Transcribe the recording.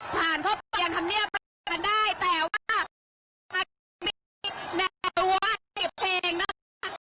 ผ่านเข้าไปยังทำเนียบกันได้แต่ว่ามันมีแนวว่าเก็บเพลงนะครับ